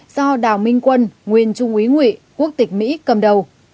do đào minh quân nguyên trung quý nguyễn quốc tịch mỹ cầm đầu